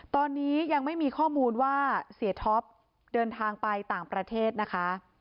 ตอนนี้ยังไม่มีข้อมูลว่าเสียท็อปเดินทางไปต่างประเทศนะคะ